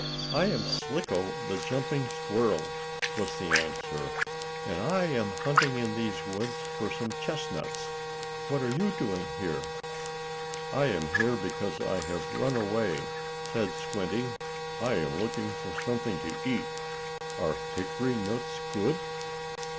] "I am Slicko, the jumping squirrel," was the answer, "and I am hunting in these woods for some chestnuts. What are you doing here?" "I am here because I have run away," said Squinty. "I am looking for something to eat. Are hickory nuts good?"